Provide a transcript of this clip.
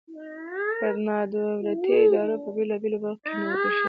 پر نا دولتي ادارو په بیلابیلو برخو کې نیوکې شوي دي.